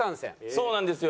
そうなんですよ。